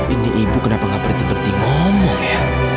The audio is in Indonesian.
ini ibu kenapa gak berhenti berhenti ngomong ya